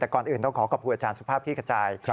แต่ก่อนอื่นต้องขอขอบคุณอาจารย์สุภาพคลี่ขจาย